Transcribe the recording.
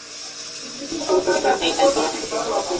Kulingana na ilani yake